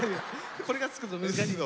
これがつくと難しい。